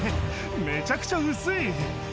めちゃくちゃ薄い。